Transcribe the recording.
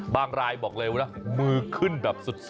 บางลายบอกเรียวมือขึ้นแบบสุด